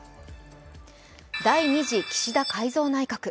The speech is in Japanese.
第２次岸田改造内閣。